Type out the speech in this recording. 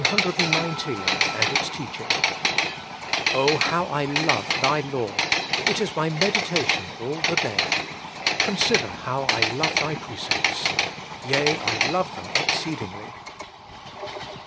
XXX PSALM CXIX AND ITS TEACHING "Oh how love I Thy law; it is my meditation all the day. Consider how I love Thy precepts. Yea, I love them exceedingly."